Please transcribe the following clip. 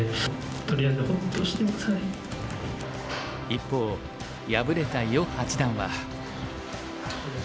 一方敗れた余八段は。